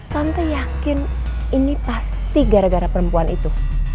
tante yakin ini pasti gara gara perempuan itu